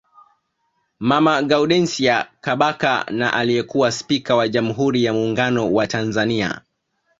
Mama Gaudensia Kabaka na aliyekuwa spika wa jamhuri ya Muungano wa Tanzania